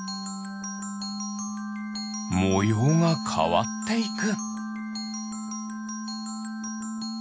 もようがかわっていく。